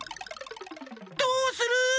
どうする？